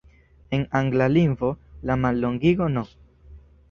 En angla lingvo, la mallongigo "No.